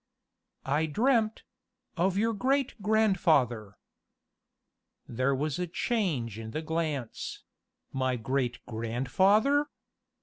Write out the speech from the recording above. "I dreamt of your great grandfather!" There was a change in the glance "My great grandfather?"